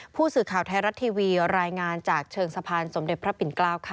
ผู้สื่อข่าวไทยรัฐทีวีรายงานจากเชิงสะพานสมเด็จพระปิ่นเกล้าค่ะ